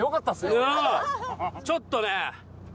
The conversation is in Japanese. ちょっとね。